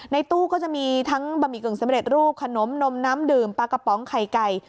ในตู้ก็จะมีทั้งบะหมี่กึ่งสำเร็จรูปขนมนมน้ำดื่มปลากระป๋องไข่ไก่